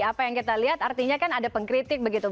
apa yang kita lihat artinya kan ada pengkritik begitu